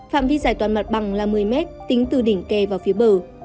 phạm vi giải toàn mặt bằng là một mươi m tính từ đỉnh kè vào phía bờ